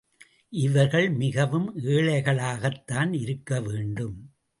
இவர்கள் மிகவும் ஏழைகளாகத்தான் இருக்க வேண்டும்.